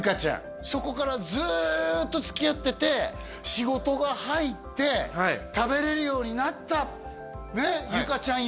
そこからずっとつきあってて仕事が入って食べれるようになったねっ由夏ちゃん